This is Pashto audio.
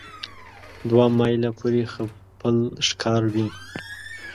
دوه مایله پورې خپل ښکار ویني.